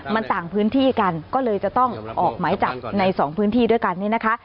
มันต่างพื้นที่กันก็เลยจะต้องออกหมายจับในสองพื้นที่ด้วยกันนี่นะคะ